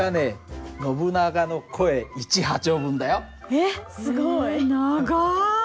えっすごい。